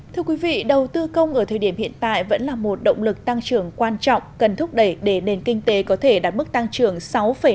thưa quý vị đầu tư công ở thời điểm hiện tại vẫn là một động lực tăng trưởng quan trọng cần thúc đẩy để nền kinh tế có thể đạt mức tăng trưởng sáu năm trong năm nay